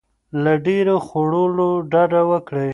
له ډیر خوړلو ډډه وکړئ.